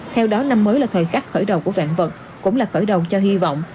theo đó năm mới là thời khắc khởi đầu của vạn vật cũng là khởi động cho hy vọng